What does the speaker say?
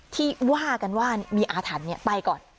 ที่ว่ากันว่ามีอาถรรพ์ไปก่อน